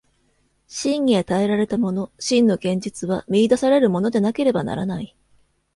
真に与えられたもの、真の現実は見出されるものでなければならない。